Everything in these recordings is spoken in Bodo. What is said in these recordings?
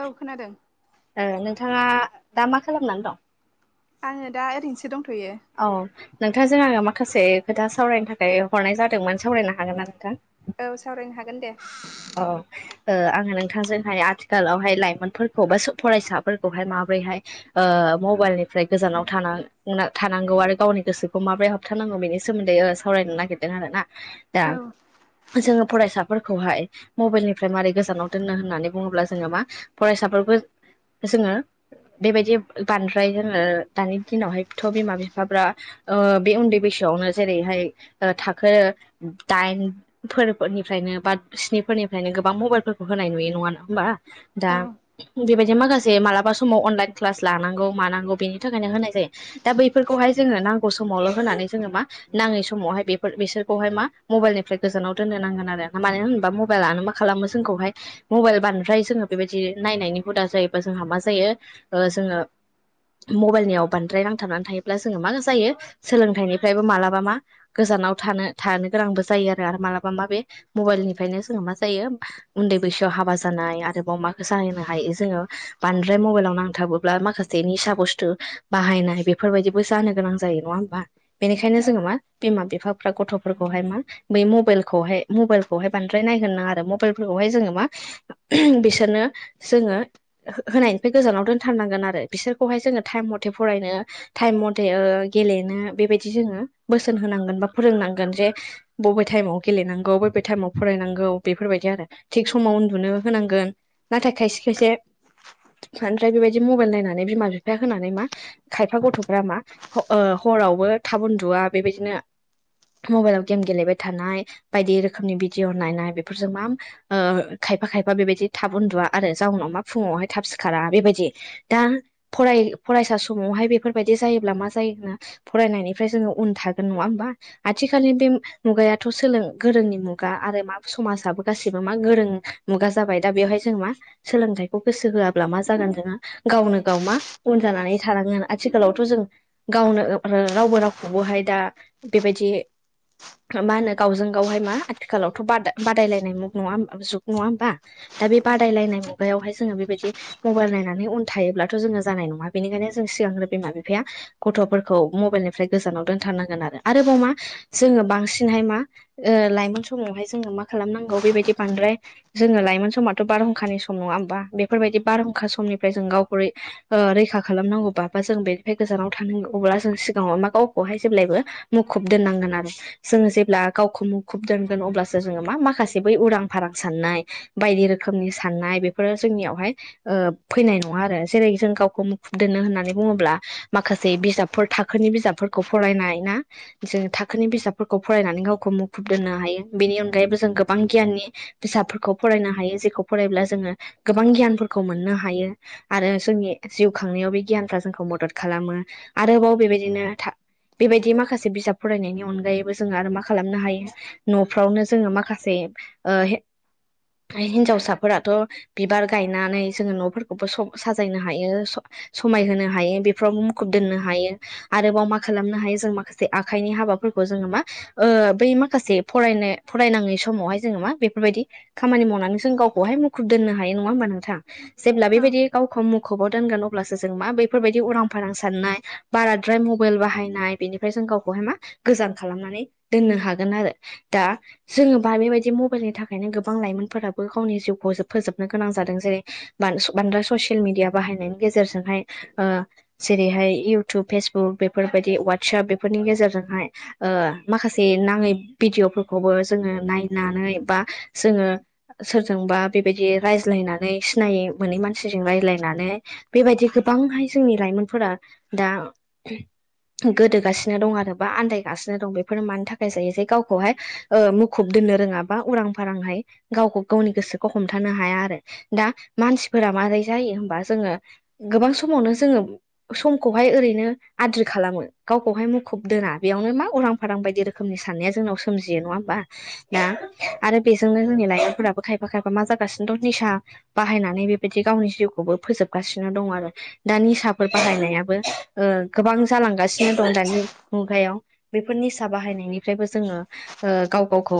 औ खोनादों ओ नोंथाङा दा मा खालामनानै दं आङो दा ओरैनोसो दंथ'यो औ नोंथांजों आङो मा खासे खोथा सावरायनो थाखाय हरनाय जादोंमोन सावरायनो हागोन ना नोंथां औ सावरायनो हागोन दे औ ओ आङो नोंथांजोंहाय आथिखालावहाय लाइमोनफोरखौ बा फरायसाफोरखौहाय माब्रैहाय ओ ओ मबाइलनिफ्राय गोजानाव थानां-थानांगौ आरो गावनि गोसोखौ माबोरै होबथानांगौ बेनि सोमोन्दै ओ साव सावरायनो नागिरदों आरोना दा औ जोङो फरायसा खौहाय मबाइलनिफ्राय मारै गोजानाव दोननो होननानै बुङोब्ला जोङो मा फरायसाफोरखौ जोङो बेबायदि बानद्राय जोङो दानि दिनावहायथ' बिमा बिफाफ्रा ओ बे उन्दै बैसो सोआवनो जेरैहाय थाखो दाइन फोरनिफ्रायनो बा स्नि फोरनिफ्रायनो गोबां मबाइलफोरखौ होनाय नुयो नङा ना होमबा दा औ बेबायदि माखासे मालाबा माबेबा समाव अनलाइन क्लास लानांगौ मानांगौ बेनि थाखायनो होनाय जायो दा बैफोरखौहाय जोङो नांगौ समावल' होन नानै जोङो मा नाङै समावहाय बेफोर बिसोरखौहाय मा मबाइलनिफ्राय गोजानाव दोननो नांगोन आरो मानो होन बाज्ञमबाइलनो मा खालामो जोंखौहाय मबाइल बांद्राय जोङो बेबायदि नायनायनि हुदा जायोबा जोंहा मा जायो ओ जोङो मबाइलनियाव बांद्राय नांथाबनानै थायोब्ला जोङो मा जायो सोलोंथाइनिफ्रायबो मालाबा मा गोजान गोजान थानो थानो गोनांबो जायो आरो मालाबा मा मबाइलनि फ्राजनो जोंहा मा जायो उन्दै बैसोआव हाबा जानाय आरोबाव माखौ जाहोनो हायो जोङो बांद्राय मबाइलाव नांथाबोब्ला माखासे निसा बुस्थु बाहायनाय बेफोरबायदिबो जानो गोनां जायो नङा होमबा बेनिखायनो औ जोङो मा बिमा बिफाफ्रा गथ'फोरखौहाय मा बै मबाइलखौहाय मबाइलखौहाय बांद्राय नायहोनो नाङा आरो मबाइलफोरखौहाय जोङो मा बिसोरनो जोङो होनायनिफ्राय गोजानाव दोनथारनांगोन आरो बिसोरखौहाय जोङो टाइम मथे फरायनो टाइम मथे ओ गेलेनो बेबायदि जोङो बोसोन होनांगोन बा फोरोंनांगोन जे बबे टाइमाव गेलेनांगौ बबे टाइमाव फरायनांगौ बेफोरबायदि आरो थिग समाव उन्दुनो होनांगोन नाथाय खायसे खायसे ओमफ्राय बेबायदि मबाइल नायनानै बिमा बिफाया होनानै मा खायफा गथ'फ्रा मा ओ हरावबो थाब उन्दुआ बेबायदिनो मबाइलाव गेम गेलेबाय थानाय बायदि रोखोमनि बि भिदिअ नाय बेफोरजों मा ओ खायफा खायफा बेबायदि थाब उन्दुया आरो जाउनाव मा फुङावहाय थाब सिखारा बेबायदि दा फराय फरायसा समावहाय बेफोरबायदि जायोब्ला मा जायो होनना फरायनायनिफ्राय जोङो उन थागोन नङा होमबा आथिखालनि बे मुगायाथ' सोलों गोरोंनि मुगा गा आरो मा समाजाबो गासिबो मा गोरों मुगा जाबाय दा बेवहाय जों मा सोलोंथाइखौ गोसो हो होयाब्ला मा जागोन जोंहा गावनो गाव मा उन जानानै थानांगोन आथिखालावथ' जों गावनो रावबो रावखौबोहाय दा बेबायदि मा होनो गावजों गावहाय मा आथिखालावथ' बादाय बादायलायनाय मुग नङा होन जुग नङा होमबा दा बे बादायलायनाय मुगायावहाय जोङो बेबायदि मबाइल नायनानै उन थायोब्लाथ' जोङो जानाय नङा बेनिखायनो जों सिगांग्रो बिमा बिफाया गथ' गथ'फोरखौ मबाइलनिफ्राय गोजानाव दोनथारनांगोन आरो आरोबाव मा जोङो बांसिनहाय मा ओ लाइमोन समावहाय जोङो मा खालामनांगौ बेबायदि बांद्राय जोङो लाइमोन समाथ' बारहुंखानि सम नङा होमबा बेफोरबाय बेबादि बारहुंखा समनिफ्राय जों गावखौ रैखा खालामगौबा बा जों बेनिफाय गोजानाव थानांगौब्ला सिगाङाव मा गावखौहाय जेब्लायबो मुखुब दोनांगोन आरो जों जेब्ला गावखौ मुखुब दोनगोन अब्लासो जोङो मा माखासे बै उरां फारां साननाय बायदि रोखोमनि साननाय बेफोरो जोंनि नियावहाय ओ फैनाय नङा आरो जेरै जों गावखौ मुखुब दोननो होननानै बुङोब्ला माखासे थाखोनि बिजाबफोरखौ फरायनाय ना जों थाखोनि बिजाबफोरखौ फरायनानै गावखौ मुखुब मुखुब दोननो हायो बेनि अनगायैबो जों गोबां गियाननि बिजाबफोरखौ फरायनो हायो जेखौ फरायब्ला जोङो गोबां गियानफोरखौ मोननो हायो आरो जोंनि जिउ खांनायाव बे गियानफ्रा जोंखौ मदद खालामो आरोबाव बेबायदिनो बेबायदि माखासे बिजाब फरायनायनि अनगायैबो जोङो आरो मा खालामनो हायो न'फ्रावनो जोङो माखासे ओ हिनजावसाफोराथ' बिबार गायनानै जोङो न'फोरखौबो सब साजायनो हायो समायहोनो हायो बेफोराव मुखुब दोननो हायो आरोबाव मा खालामनो हायो जों माखासे आखाइनि हाबा फोरखौ जोङो मा ओ बै मा माखासे फरायनो फरायनाङै समावहाय जोङो मा बेफोरबायदि खामानि मावनानै जों गावखौहाय मुखुब दोननो हायो नङा होमबा नोंथां जेब्ला बेबायदि औ गावखौ मु खबाव दोगोन अब्लासो जों मा बैफोरबायदि अरां फारां साननाय बाराद्राय मबाइल बाहायनाय बेनिफ्राय जों गावखौहाय मा गोजान खालामनानै दोननो हा गोन आरो दा जोङो बा बेबायदि मबाइलनि थाखायनो गोबां लाइमोनफोराबो गावनि जिउखौ फोजोब गोनां जादोंसै बांद्राय ससिल मिदिया बाहायनायनि गेजेरजोंहाय ओ जेरै हाय इयुथुब फेसबुक बेफोरबायदि वादसाफ बेफोरनि गेजेरजोंहाय ओ माखासे नांयै भिदिअफोरखौबो जोङो नायनानै बा जोङो सोरजोंबा बेबायदि रायज्लायनानै सिनाय मोनै मानसिजों रायलायनानै बेबायदि गोबांहाय जोंनि लायमोन फोरा दा गोदोगासिनो दं आरो बा आनन्दायगासिनो दं बेफोर मानि थाखाय जायो जे गावखौहाय ओ मुखुब दोननो रोङाबा उरां फारांहाय गावखौ गावनि गोसोखौ हमथानो हाया आरो। दा मानसिफोरा मारै जायो होमबा जोङो गोबां समावनो जोङो समखौ खौहाय ओरैनो आद्रि खालामो गावखौहायनो मुखुब दोना बेयावनो मा उरां फारां बायदि रोखोमनि साननाया जोंनाव सोमजियो नङा होमबा। दा आरो बेजोंनो जोंनि लाइगफोराबो खायफा खायफा मा जागासिनो दं निसा बाहायनानै बेबायदि गावनि जिउखौबो फोजोबगासिनो दं आरो। दानि निसाफोर बाहायनायाबो ओ गोबां जालांगासिनो दं दानि मुगायाव याव बेफोर निसा बाहायनायनिफ्रायबो जोङो ओ गाव गावखौ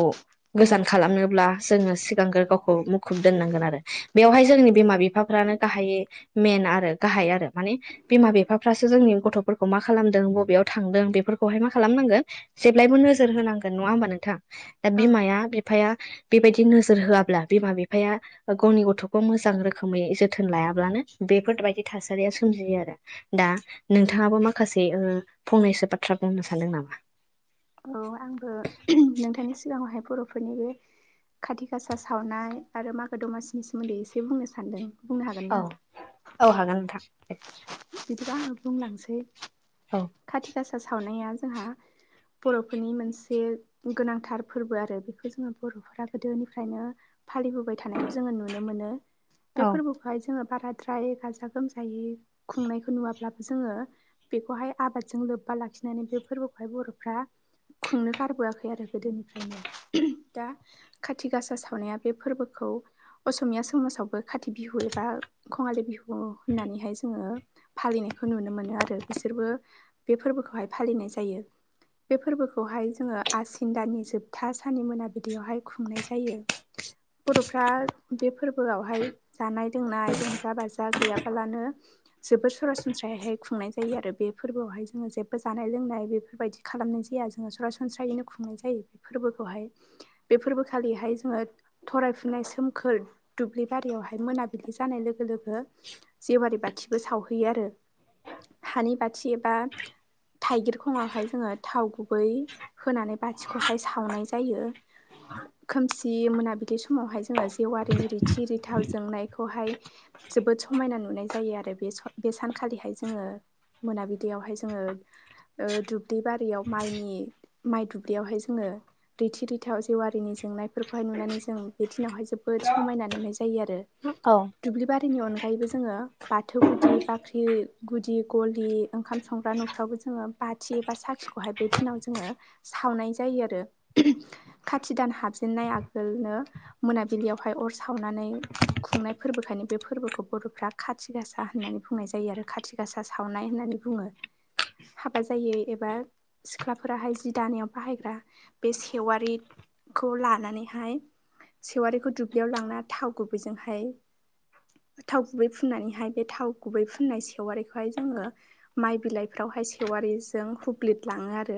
गोजान खालामनोब्ला जोङो सिगांग्रो गावखौ मुखुब दोननांगोन आरो। बेवहाय जोंनि बिमा बिफाफ्रा गाहायै मेन आरो गाहाय आरो माने बिमा बिफाफ्रासो जोंनि गथ'फोरखौ मा खालामदों बबेयाव थांदों बेफोरखौहाय मा खालामगोन जेब्लाबो नोजोर जोर होनांगोन नङा होमबा नोंथां। दा औ बिमाया बिफाया बेबायदि नोजोर होआब्ला बिमा बिफाया गावनि गथ'खौ मोजां रोखोमै जोथोन लायाब्लानो बेफोरबायदि थासारिया सोमजियो आरो। दा नोंथाङाबो माखासे ओ फंनैसो बा थ्रा बुंनो सानदों नामा? औ आंबो नोंथांनि सिगाङावहाय बेफोरनिबो खाथि गासा सावनाय आरो मागो दमासिनि सोमोन्दै एसे बुंनो सान्दों। औ औ हागोन नोंथां। बिदिबा आङो बुंलांसै औ खाथि गासा सावनाया जोंहा बर'फोरनि मोनसे गोनांथार फोरबो आरो। बेखौ जोङो बर'फोरा गोदोनिफ्रायनो फालिबोबाय थानायखौ जोङो नुनो मोनो। बे औ फोरबोखौहाय जोङो बाराद्राय गाजा गोमजा यै खुंनायखौ नुवाब्लाबो जोङो बेखौहाय आबादजों लोब्बा लाखिनानै बे फोरबोखौहाय बर'फ्रा खुंनो गारबोआखै आरो गोदोनिफ्रायनो दा खाथि गासा सावनाया बे फोरबो खौ असमिया समाजावबो खाथि बिहु एबा खङालि बिहु होननानैहाय जोङो फालिनायखौ नुनो मोनो आरो। बिसोरबो बे फोरबोखौहाय फालिनाय जायो। बे फोरबोखौहाय जोङो आसिन दानानि जोबथा साननि मोनाबिलियावहाय खुंनाय जायो बर'फ्रा बे फोरबोआवहाय जानाय लोंनाय रंजा बाजा गैयाब्ला फालानो जोबोर सरासनस्रायैहाय खुंनाय जायो आरो। बे फोरबोआवहाय जोङो जेबो जानाय लोंनाय बे बेबायदि खालामनाय जाया जोङो सनस्रायैनो खुंनाय जायो फोरबोखौहाय। बे फोरबोखालिहाय जों ओ थरायफुनाय सोमखोर दुब्लि बारियावहाय मोनाबिलि जानाय लोगो लोगो जेवारि बाथिबो सावहैयो आरो हानि बाथि एबा थाइगिरखङआवहाय जोङो थाव गुबै होनानै बाथिखौहाय सावनाय जायो। खोमसि मोनाबिलि समावहाय जोङो जेवारिनि रिथि रिथाव जोंनायखौहाय जोबोद समायना नुनाय जायो आरो। बे-बे सानखालिहाय जोङो मोनाबिलियावहाय जोङो ओ दुब्लि बारियाव माइनि माइ दुब्लियावहाय जोङो दैथि दैथाव जेवारिनि जेंनाफोरखौहाय नुनानै जों बे दिनावहाय जों जोबोद समायना नुनाय जायो आरो। औ दुब्लि बारिनि अनगायैबो जों जोङो बाथौ गुदि बाख्रि गुदि गलि ओंखाम संग्रा न'फ्रावबो जोङो बाथि बा साखिखौहाय बे दिनाव जोङो सावनाय जायो आरो खाथि दान हाबजेनाय आगोलनो मोनाबिलियावहाय अर सावनानै खुंनाय फोरबोखायनो बे फोरबोखौ बर' फ्रा खाथि गासा होननानै बुंनाय जायो। आरो खाथि गासा सावनाय होननानै बुङो। हाबा जायो एबा सिख्लाफोराहाय जि दानायाव बाहायग्रा बे सेवारि खौ लानानैहाय सेवारिखौ दुब्लियाव लांना थाव गुबैजोंहाय थाव गुबै फुननानैहाय बे थाव गुबै फुननाय सेवारिखौहाय जोङो माइ बिलाइफ्रावहाय सेवारि जों हुब्लिद लाङो आरो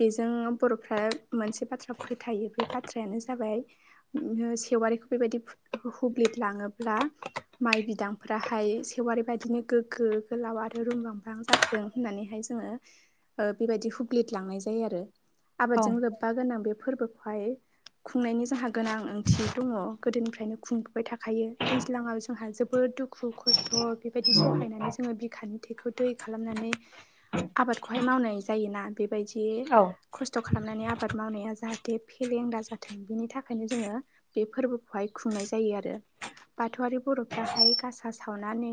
बेजों बर'फ्रा मोनसे बाथ्रा फोथायो बे बाथ्रायानो जाबाय सेवारिखौ बेबादि हुब्लिद लाङोब्ला माइ बिदां। बिदांफोराहाय सेवारि बायदिनो गोग्गो गोलाव आरो रुमबांबां जाथों होननानैहाय जोङो बेबायदि हुुब्लिद लांनाय जायो आरो आबादजों लोब्बा गोनां बे फोरबोखौहाय खुंनायनि जोंहा गोनां ओंथि दङ गोदोनिफ्रायनो खुंबोबाय थाखायो दैज्लाङाव जोंहा जोब बोद दुखु खस्थ' बेबायदि सहायनानै जोङो बिखानि थेखौ दै खालामनानै आबादखौहाय मावनाय जायोना बेबायदि औ खस्थ' खालामनानै आबाद आबाद मावनाया जाहाथे फेलें दाजाथों बेनि थाखायनो जोङो बे फोरबोखौहाय खुंनाय जायो आरो। बाथौआरि बर'फ्राहाय गासा सावनानै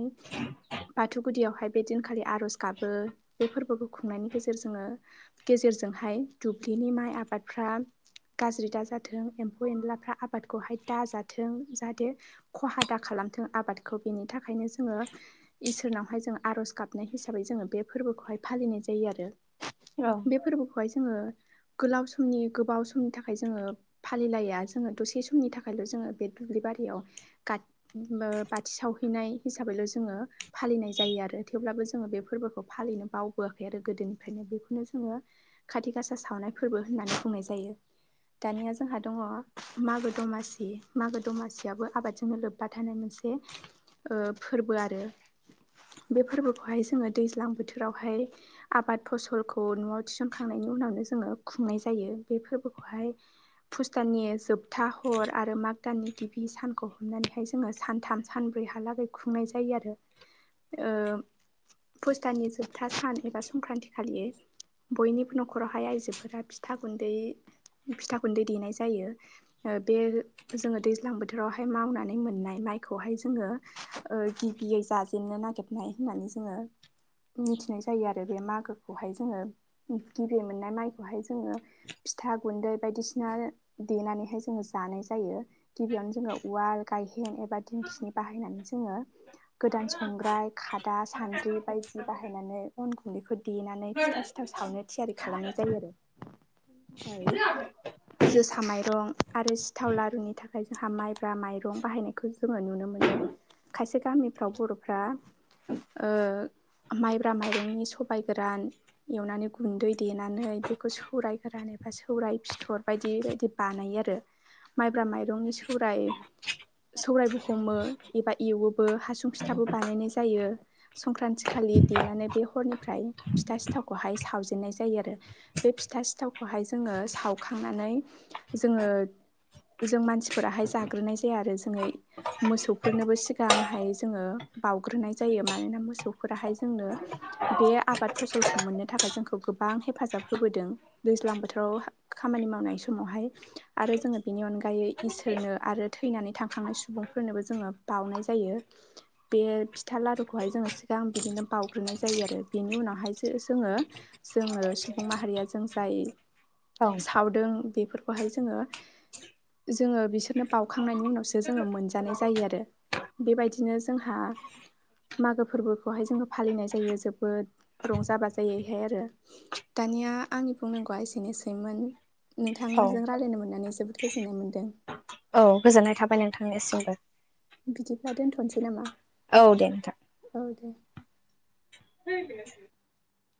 बाथौ गुदियावहाय बे दिनखालि आर'ज गाबो बे फोरबोखौ खुंनायनि गेजेर जोङो गेजेर जोंहाय दुब्लिनि माइ आबादफ्रा गाज्रि दाजाथों एम्फौ एनलाफ्रा आबादखौहाय दाजाथों जाहाथे खहा दा खालामथों। आबादखौ बेनि थाखायनो जोङो इसोरनावहाय जों आर'ज गाबनाय हिसाबै जोङो बे फोरबोखौहाय फालि फालिनाय जायो आरो औ बे फोरबोखौ। हाय जोङो गोलाव समनि गोबाव समनि थाखाय जोङो फालिलाया जोङो दसे समनि थाखा जोङो बे दुब्लि बारियाव बाथि सावहैनाय हिसाबैल' जोङो फालिनाय जायो आरो थेवब्लाबो जोङो बे फोरबोखौ फालिनो बावबो खै आरो गोदोनिफ्रायनो बेखौनो जोङो खाथि गासा सावनाय फोरबो होननानै बुंनाय जायो। दानिया जोंहा दङ मागो दमासि मागो दमासियाबो आबादजोंनो लोब्बा थानाय मोनसे फोरबो आरो बे फोरबोखौहाय जोङो दैज्लां बोथोरावहाय आबाद फसलखौ न'आव थिसनखांनायनि उनावनो जोङो खुंनाय जायो बे फोरबोखौहाय पुस दाननि जोबथा हर आरो माग दाननि गिबि सानखौ हमनानैहाय जोङो सान थाम सानब्रैहालागै खुंनाय जायो आरो पुस दाननि जोबथा सान एबा संक्रान्ति खालि बयनिबो न'खरावहाय आइजोफोरा फिथा गुन्दै फिथा गुन्दै देनाय जायो बे जोङो दैज्लां बोथोरावहाय मावनानै मोननाय माइ खौहाय जोङो गिबियै जाजेननो नागिरनाय होननानै जोङो। मिथिनाय जायो आरो बे मागोखौहाय जोङो गिबि मोननाय माइ। खौहाय जोङो फिथा गुन्दै बायदिसिना देनानैहाय जोङो जानाय जायो गिबियावनो जोङो उवाल गायहेन एबा दिेंखिनि बाहायनानै जोङो। गोदान संग्राय खादा सान्द्रि बायदि बाहायनानै अन गुन्दैखौ देनानै फिथा सिथा सावनो थियारि खालामनाय जायो आरो। [inaudible] जोसा माइरं आरो सिथाव लारुनि थाखाय जोंहा माइब्रा माइरं बाहायनायखौ जों जोङो नुनो मोनो खायसे गामिफ्राव बर'फ्रा ओ माइब्रा माइरंनि सबाय गोरान एवनानै गुन्दै देनानै बेखौ सौराय गोरान एबा सौराय फिथर बायदि बायदि बानायो। माइब्रा माइरंनि सौराय सौराय। हमो एबा एवबो हासुं फिथाबो बानायनाय जायो संक्रान्ति खालि देनानै। हरनिफ्राय फिथा सिथावखौहाय सावजेननाय जायो आरो बे फिथा सिथावखौहाय जोङो साव खांनानै जोङो जों मानसिफोराहाय जाग्रोनाय जाया आरो जोङो मोसौफोरनोबो सिगांहाय जोङो बाउग्रोनाय जायो। मानोना मोसौफोराहाय जोंनो बे आबाद फसलखौ मोननो थाखाय जोंखौ गोबां हेफाजाब होबोदों। दैज्लां बोथोराव खामानि खानि मावनाय समावहाय आरो जोङो बिनि अनगायै इसोरनो आरो थैनानै थांखांनाय सुबुं फोरनोबो जोङो बाउनाय जायो। बे फिथा लारुखौहाय जोङो सिगां बिदिनो बाग्रोनाय जायो। आरो बेनि उनावहायो जोङो जोङो सुबुं माहारिया जों जाय औ सावदों बे बेफोरखौ हाय जोङो बिसोरनो बांनायनि उनावो जोङो मोनजा जानाय जायो आरो। बेबायदिनो जोंहा मागो फोरबोखौहाय जोङो फालिनाय जायो जोबोद रंजा बाजायैहाय आरो। दानिया आंनि बुंनांगौआ एसेनोसैमोन। नोंथांजों राय्लायनो मोननानै जोबोद गोजोननाय मोन्दों। औ गोजोननाय थाबाय नोंथांनिसिमबो। बिदिब्ला दोनथ'नोसै नामा? औ दे नोंथां। औ दे